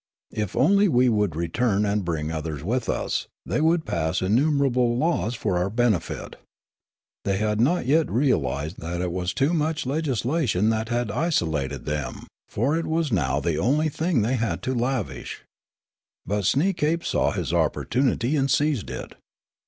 If only we would return and bring others with us, they would pass innumerable laws for our benefit. They had not 3^et realised that it was too much legislation that had isolated them ; for it was now the only thing they had to lavish. But Sneekape saw his opportunity and seized it.